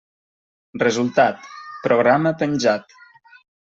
Resultat: programa penjat.